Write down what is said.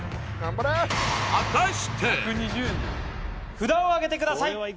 札をあげてください